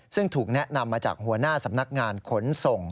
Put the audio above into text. ซึ่งถูกแนะนำมาจากหัวหน้าสำนักงานขนส่ง